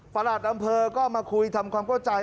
หลัดอำเภอก็มาคุยทำความเข้าใจ